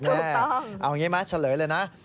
ถูกต้องเอาอย่างนี้ไหมเฉลยเลยนะ